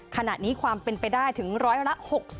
ขณะนี้ความเป็นไปได้ถึงร้อยละ๖๐